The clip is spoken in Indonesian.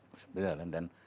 terus berjalan dan